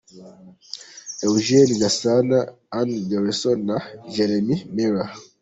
Eugene Gasana, Anne Garrison na Jeremy Miller